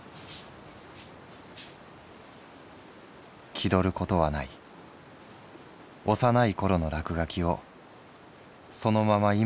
「気取ることはない幼いころの落描きをそのまま今に続けている」。